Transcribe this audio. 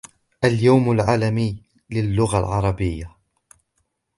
اليوم العالمي للغة العربية.